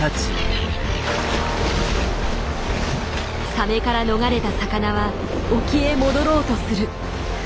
サメから逃れた魚は沖へ戻ろうとする。